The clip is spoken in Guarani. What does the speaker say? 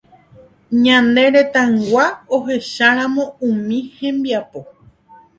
Ñane retãygua ohecharamo umi hembiapo.